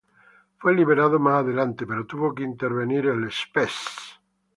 Fue liberado más adelante, pero tuvo que intervenir el Spes.